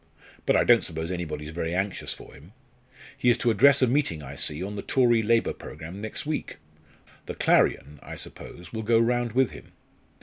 But I don't suppose anybody's very anxious for him. He is to address a meeting, I see, on the Tory Labour Programme next week. The Clarion, I suppose, will go round with him."